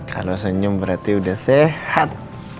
kalau senyum berarti udah sehat